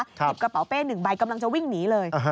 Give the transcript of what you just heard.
หยิบกระเป๋าเป้๑ใบกำลังจะวิ่งหนีเลย